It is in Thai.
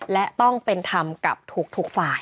และต้องเป็นธรรมกับทุกฝ่าย